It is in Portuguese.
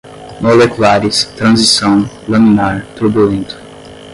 moleculares, transição, laminar, turbulento